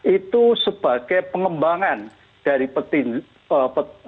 itu sebagai pengembangan dari petin